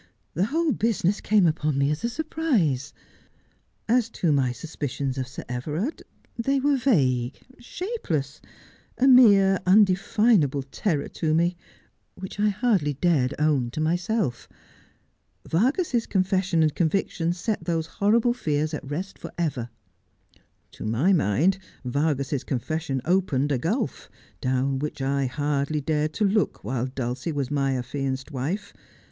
The whole business came upon me as a surprise. As to my sus picions of Sir Everard, they were vague — shapeless — a mere un definable terror to me, which I hardly dared own to myself. Vargas's confession and conviction set those horrible fears at rest for ever.' ' To my mind Vargas's confession opened a gulf down which I hardly dared to look while Dulcie was my affianced wife.